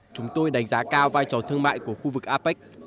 chúng tôi đánh giá cao vai trò thương mại của khu vực apec